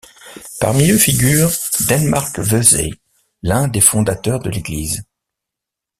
Parmi eux figure Denmark Vesey, l'un des fondateurs de l'église.